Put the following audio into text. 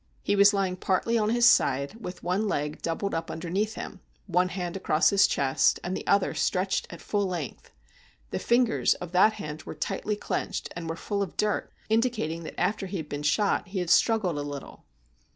He was lying partly on his side, with one leg doubled up underneath him, one hand across his chest, and the other arm stretched at full length. The fingers of that hand were tightly clenched, and were full of dirt, in dicating that after he had been shot he had struggled a little.